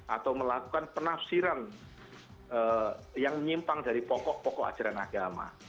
atau melakukan penafsiran yang menyimpang dari pokok pokok ajaran agama